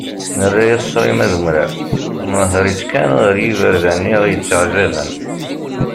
Nerra-as ṣrima d umrar, nnehher-itt kan ɣer yiberdan i aɣ-yetteɛjaben.